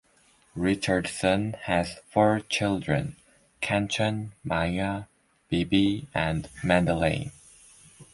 Richardson has four children, Kanchan, Maya, Bibi and Madeleine.